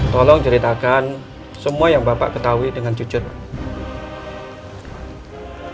tolong ceritakan semua yang bapak ketahui dengan jujur